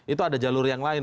itu ada jalur yang lain